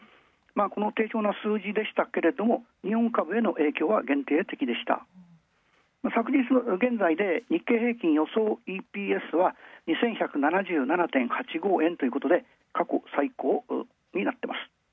この数字でしたけど日本株への影響は昨日現在で、予想ＥＰＳは２１７７．８５円ということで過去最高になっています。